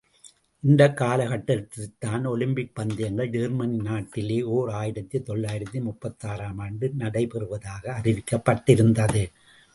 இந்த காலகட்டத்தில்தான், ஒலிம்பிக் பந்தயங்கள் ஜெர்மனி நாட்டிலே ஓர் ஆயிரத்து தொள்ளாயிரத்து முப்பத்தாறு ஆம் ஆண்டு நடைபெறுவதாக அறிவிக்கப்பட்டிருந்தது.